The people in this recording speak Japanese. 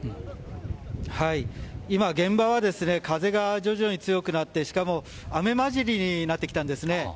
今、現場は風が徐々に強くなってしかも、雨交じりになってきたんですね。